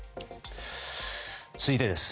続いてです。